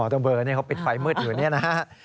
อ๋อต้องเบลอเขาเปิดไฟมืดอยู่เนี่ยนะ